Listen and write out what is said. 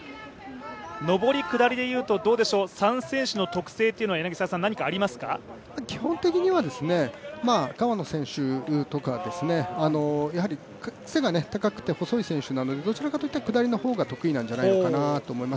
上り下りで言うと、３選手の特性というのは基本的には川野選手とかやはり背が高くて細い選手なのでどちらかといったら下りの方が得意なんじゃないかなと思います。